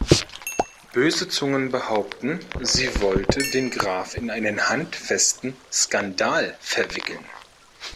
Böse Zungen behaupten, sie wollte den Graf in einen handfesten Skandal verwickeln.